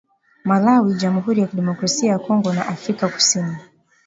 Malawi, Jamhuri ya Kidemokrasia ya Kongo na Afrika kusini.